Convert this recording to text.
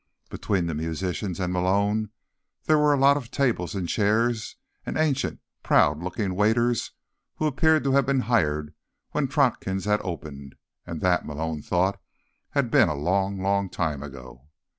Between the musicians and Malone were a lot of tables and chairs and ancient, proud looking waiters who appeared to have been hired when Trotkin's had opened—and that, Malone thought, had been a long, long time ago.